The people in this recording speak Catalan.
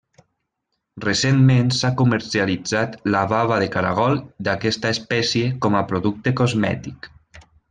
Recentment s'ha comercialitzat la bava de caragol d'aquesta espècie com a producte cosmètic.